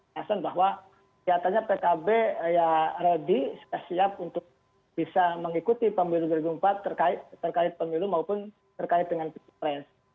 alasan bahwa kelihatannya pkb ya ready sudah siap untuk bisa mengikuti pemilu dua ribu empat terkait pemilu maupun terkait dengan pilpres